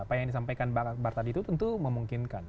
apa yang disampaikan mbak tadi itu tentu memungkinkan